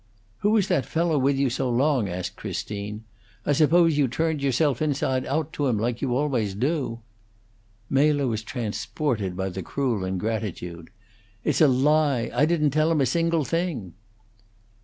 "Who was that fellow with you so long?" asked Christine. "I suppose you turned yourself inside out to him, like you always do." Mela was transported by the cruel ingratitude. "It's a lie! I didn't tell him a single thing."